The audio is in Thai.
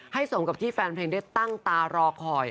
สมกับที่แฟนเพลงได้ตั้งตารอคอย